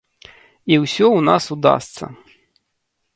І ўсё ў нас удасца.